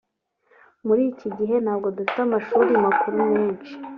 muri iki gice ntabwo dufite amashuri makuru menshi